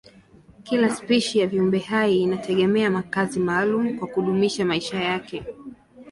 Kila spishi ya viumbehai inategemea makazi maalumu kwa kudumisha maisha yake.